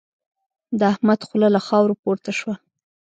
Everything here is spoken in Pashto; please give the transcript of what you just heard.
د احمد خوله له خاورو پورته شوه.